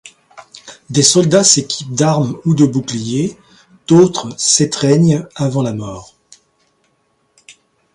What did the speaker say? Des soldats s’équipent d’armes ou de boucliers, d’autres s’étreignent avant la mort.